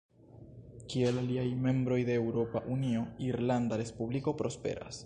Kiel aliaj membroj de Eŭropa Unio, Irlanda Respubliko prosperas.